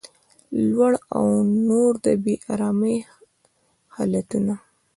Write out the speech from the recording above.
لوډ او نور د بې ارامۍ حالتونه